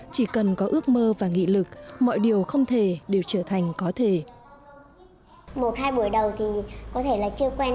chỉ cần có một người tự lực như những người bình thường